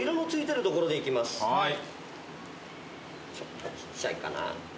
ちょっとちっちゃいかな。